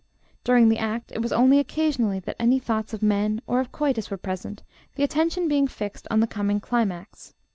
During the act it was only occasionally that any thoughts of men or of coitus were present, the attention being fixed on the coming climax.